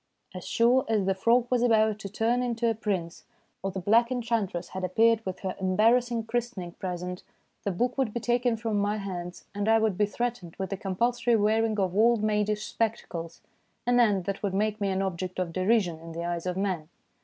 As sure as the frog was about to turn into a prince or the black enchantress had appeared with her embarrassing christening present, the book would be taken from my hands and I would be threatened with the compulsory wearing of old maidish spectacles an end ON GOING TO BED 141 that would make me an object of derision in the eyes of man.